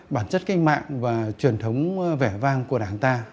bản chất kinh mạng